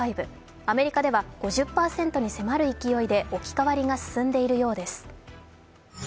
アメリカでは５０％に迫る勢いで置き換わりが進んでいるようです。